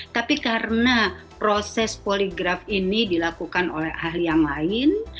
tapi karena proses poligraf ini dilakukan oleh ahli yang lain